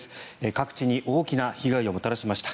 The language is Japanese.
各地に大きな被害をもたらしました。